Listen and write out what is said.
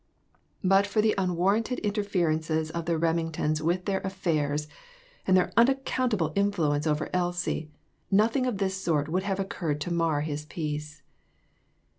But for the unwarrant able interference of the Remingtons with their affairs, and their unaccountable influence over Elsie, nothing of this sort would have occurred to mar his peace.